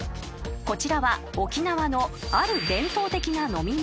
［こちらは沖縄のある伝統的な飲み物］